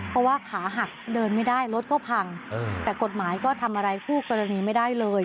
เพราะว่าขาหักเดินไม่ได้รถก็พังแต่กฎหมายก็ทำอะไรคู่กรณีไม่ได้เลย